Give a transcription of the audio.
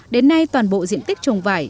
đến nay toàn bộ diện tích trồng vải